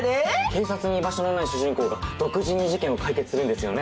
警察に居場所のない主人公が独自に事件を解決するんですよね。